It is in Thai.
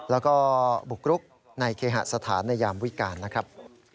แล้วก็บุกรุกในเคหสถานในยามวิการนะครับ